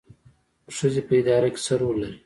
ښځې په اداره کې څه رول لري؟